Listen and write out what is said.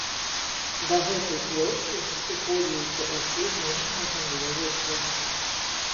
Да гэтай плошчы сыходзіліся ўсе знешнія гандлёвыя шляхі.